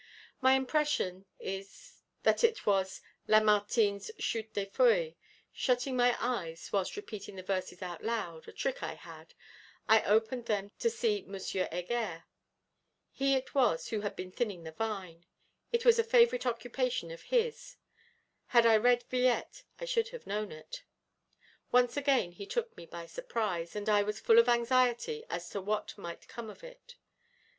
My impression is that it was Lamartine's Chûte des Feuilles. Shutting my eyes, whilst repeating the verses out aloud (a trick I had), I opened them, to see M. Heger. He it was who had been thinning the vine; it was a favourite occupation of his (had I read Villette I should have known it). Once again he took me by surprise, and I was full of anxiety as to what might come of it.